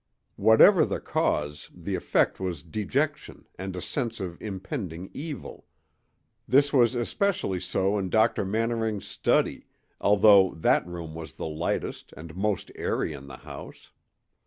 Whatever was the cause, the effect was dejection and a sense of impending evil; this was especially so in Dr. Mannering's study, although that room was the lightest and most airy in the house.